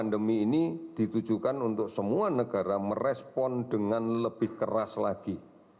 pandemi ini ditujukan untuk semua negara merespon dengan lebih keras lagi